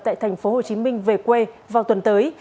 tại tp hcm về quê vào tuần tới